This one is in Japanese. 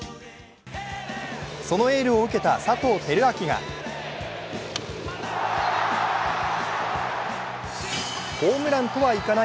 そのエールを受けた佐藤輝明がホームランとはいかな